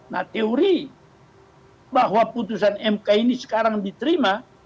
nah teori bahwa putusan mk ini sekarang diterima